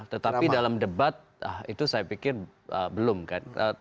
tetapi dalam debat itu saya pikir belum kan